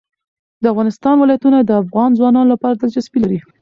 د افغانستان ولايتونه د افغان ځوانانو لپاره دلچسپي لري.